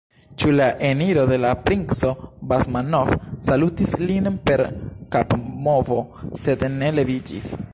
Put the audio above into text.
Ĉu la eniro de la princo Basmanov salutis lin per kapmovo, sed ne leviĝis.